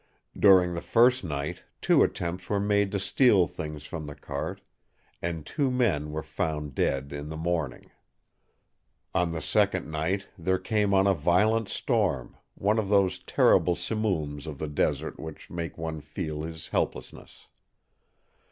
During the first night two attempts were made to steal things from the cart; and two men were found dead in the morning. "On the second night there came on a violent storm, one of those terrible simooms of the desert which makes one feel his helplessness.